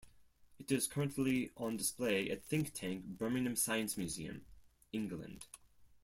It is currently on display at Thinktank, Birmingham Science Museum, England.